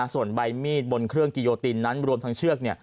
ส่วนใบมีดบนเครื่องกิโยตินนั้นรวมทั้งเชือก